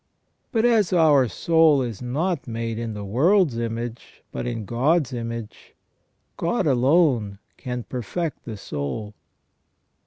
But as the soul is not made in the world's image, but in God's image, God alone can perfect the soul.